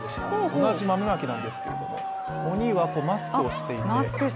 同じ豆まきなんですけれども鬼はマスクをしていて。